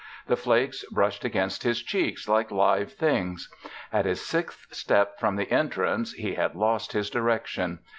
The flakes brushed against his cheeks like live things. At his sixth step from the entrance he had lost his direction.